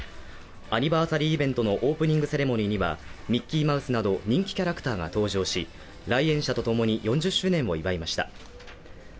アニバーサリーイベントのオープニングセレモニーには、ミッキーマウスなど人気キャラクターが登場し、来園者とともに４０周年を祝いました。